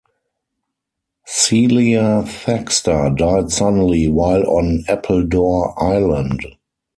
Celia Thaxter died suddenly while on Appledore Island.